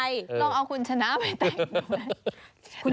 ลองเอาคุณชนะไปแต่ง